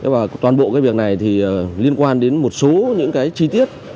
và toàn bộ cái việc này thì liên quan đến một số những cái chi tiết